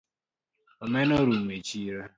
Omena orumo echiro